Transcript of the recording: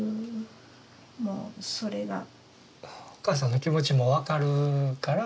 お母さんの気持ちも分かるから。